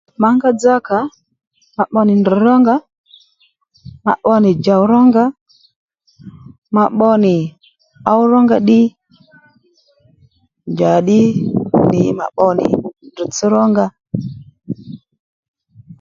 Mǎ ngá dzakǎ mà pbo nì ndrr̀ rónga, mà pbo nì djòw rónga mà pbo nì ǒw rónga ddí njàddí nì mà pbo nì ndrr̀tsś rónga